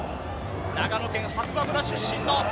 長野県白馬村出身の。